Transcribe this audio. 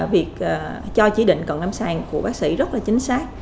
việc cho chỉ định cận lâm sàng của bác sĩ rất chính xác